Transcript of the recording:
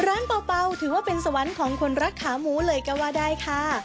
ร้านเปาถือว่าเป็นสวัสดิ์ของคนรักขาหมูเหล่ากวาไดคา